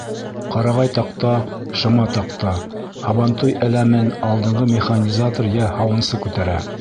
— Ҡарағай таҡта — шыма таҡта, Һабантуй әләмен алдынғы механизатор йә һауынсы күтәрә.